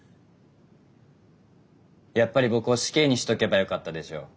やっぱり僕を死刑にしとけばよかったでしょ？